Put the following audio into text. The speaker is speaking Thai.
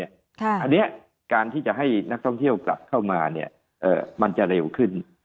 อันนี้การที่จะให้นักท่องเที่ยวกลับเข้ามามันจะเร็วขึ้น